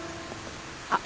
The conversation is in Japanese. あっ！